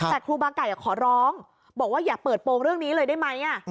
แต่ครูบาไก่ขอร้องบอกว่าอย่าเปิดโปรงเรื่องนี้เลยได้ไหม